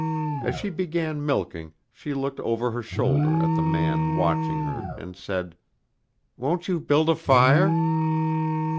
As she began milking she looked over her shoulder at the man watching her and said, "Won't you build a fire?"